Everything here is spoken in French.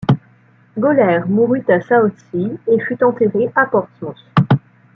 Gawler mourut à Southsea et fut enterré à Portsmouth.